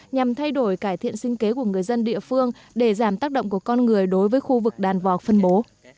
nhằm thay đổi cải thiện sinh kế của người dân địa phương để giảm tác động của con người đối với khu vực đàn vọc phân bố